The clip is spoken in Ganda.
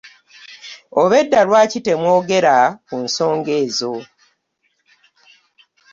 Obwedda lwaki temwogera ku nsonga ezo?